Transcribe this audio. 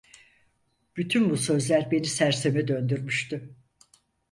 Bütün bu sözler beni serseme döndürmüştü.